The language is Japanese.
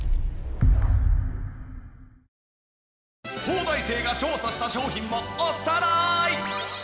東大生が調査した商品をおさらい！